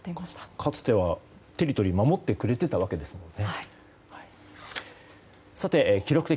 かつてはテリトリーを守ってくれていたわけですよね。